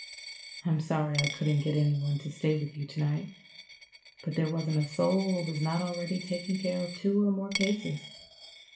I'm sorry I couldn't get any one to stay with you to night, but there wasn't a soul who was not already taking care of two or more cases.